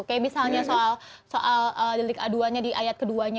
kayak misalnya soal delik aduannya di ayat keduanya